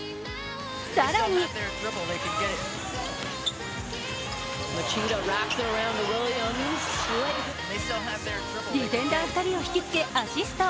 更に、ディフェンダー２人を引きつけ、アシスト。